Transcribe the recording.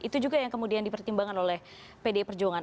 itu juga yang kemudian dipertimbangkan oleh pdi perjuangan